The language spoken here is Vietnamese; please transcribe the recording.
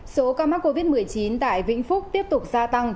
số ca mắc covid một mươi chín tại vĩnh phúc tiếp tục gia tăng